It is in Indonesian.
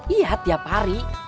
iya tiap hari